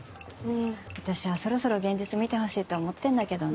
私はそろそろ現実見てほしいって思ってんだけどね。